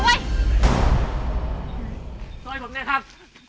โทษให้ผมหน่อยครับ